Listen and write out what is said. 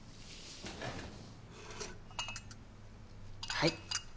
はい。